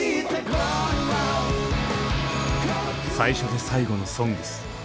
最初で最後の「ＳＯＮＧＳ」。